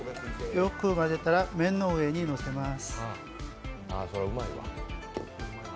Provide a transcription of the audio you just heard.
よく混ぜたら麺の上にのせます。